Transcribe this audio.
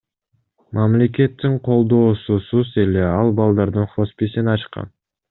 Мамлекеттин колдоосусуз эле ал балдардын хосписин ачкан.